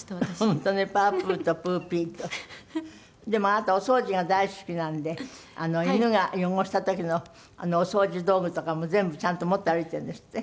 あなたお掃除が大好きなんで犬が汚した時のお掃除道具とかも全部ちゃんと持って歩いてるんですって？